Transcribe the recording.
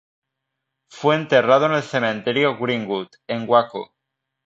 Fue enterrado en el Cementerio Greenwood, en Waco.